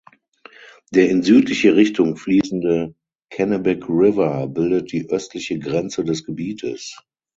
Der in südliche Richtung fließende Kennebec River bildet die östliche Grenze des Gebietes.